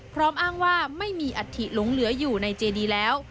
พร้อมอ้างว่าไม่มีอัฐิหลงเหลืออยู่ในเจดีแล้ว